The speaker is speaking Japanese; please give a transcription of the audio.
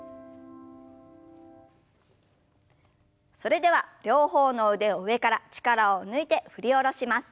それでは両方の腕を上から力を抜いて振り下ろします。